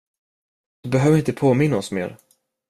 Du behöver inte påminna oss mer.